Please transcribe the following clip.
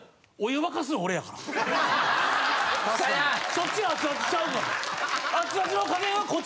そっちが熱々ちゃうから！